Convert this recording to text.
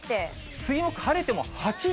水曜日晴れても８度。